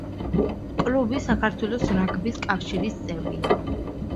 კლუბი საქართველოს რაგბის კავშირის წევრია.